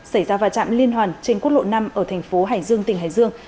xảy ra va chạm liên hoàn trên quốc lộ năm ở thành phố hải dương tỉnh hải dương